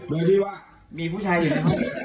โดยที่ว่ามีผู้ชายอยู่ในห้อง